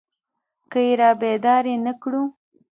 که يې رابيدارې نه کړو.